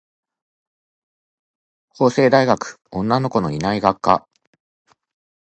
法政大学女の子いない学科